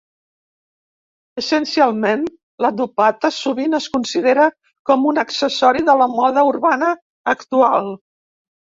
Essencialment, la dupatta sovint es considera com un accessori de la moda urbana actual.